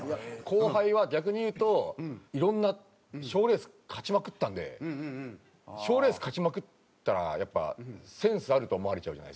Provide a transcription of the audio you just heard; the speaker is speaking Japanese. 後輩は逆にいうといろんな賞レース勝ちまくったんで賞レース勝ちまくったらやっぱセンスあると思われちゃうじゃないですか。